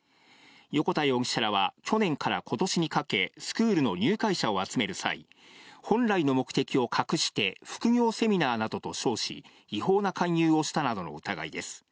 横田容疑者らは、去年からことしにかけ、スクールの入会者を集める際、本来の目的を隠して、副業セミナーなどと称し、違法な勧誘をしたなどの疑いです。